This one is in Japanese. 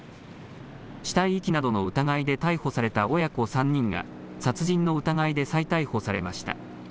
死体遺棄などの疑いで逮捕された親子３人が、殺人の疑いで再逮捕されました。